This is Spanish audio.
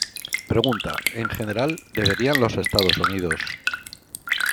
P: En general, ¿deberían los Estados Unidos.